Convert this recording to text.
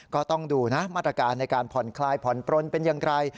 ก็ต้องดูนะมาตรการในการผ่อนคลายผ่อนปลนเป็นอย่างไร